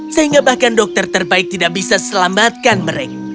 sehingga bahkan dokter terbaik tidak bisa selamatkan mereka